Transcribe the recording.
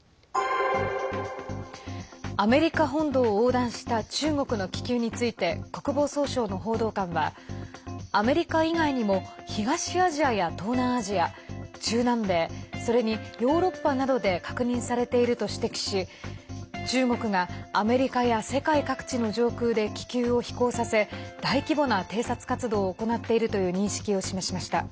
アメリカ本土を横断した中国の気球について国防総省の報道官はアメリカ以外にも東アジアや東南アジア、中南米それにヨーロッパなどで確認されていると指摘し中国が、アメリカや世界各地の上空で気球を飛行させ大規模な偵察活動を行っているという認識を示しました。